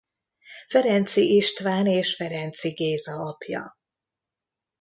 Ferenczi István és Ferenczi Géza apja.